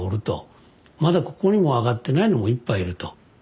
まだここにもあがってないのもいっぱいいると。